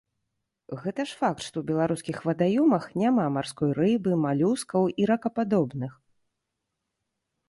Гэта ж факт, што ў беларускіх вадаёмах няма марской рыбы, малюскаў і ракападобных.